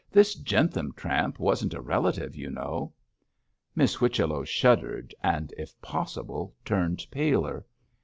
This Jentham tramp wasn't a relative, you know.' Miss Whichello shuddered, and, if possible, turned paler.